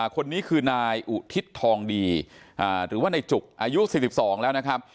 คนนี้คือนายอุทิศทองดีหรือว่าในจุกอายุ๔๒แล้วนะครับ